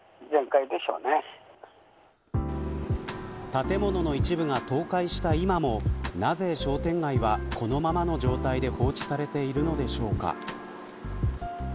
建物の一部が倒壊した今もなぜ商店街は、このままの状態で放置されているのでしょうか。